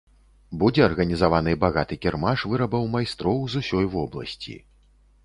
Будзе арганізаваны багаты кірмаш вырабаў майстроў з усёй вобласці.